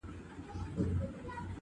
خره به ټوله ورځ په شا وړله بارونه -